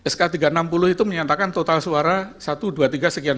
sk tiga ratus enam puluh itu menyatakan total suara satu dua tiga sekian